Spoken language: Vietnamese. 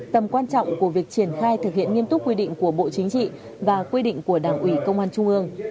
tầm quan trọng của việc triển khai thực hiện nghiêm túc quy định của bộ chính trị và quy định của đảng ủy công an trung ương